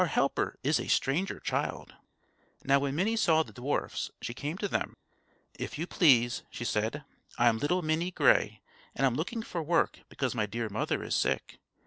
Our helper is a stranger child_." Now when Minnie saw the dwarfs, she came to meet them. "If you please," she said, "I'm little Minnie Grey; and I'm looking for work because my dear mother is sick.